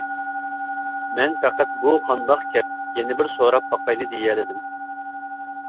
مەن پەقەت بۇ قانداق گەپ، يەنە بىر سوراپ باقايلى، دېيەلىدىم.